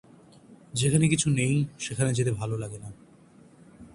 যেখানে কিছু নেই, সেখানে যেতে ভালো লাগে না।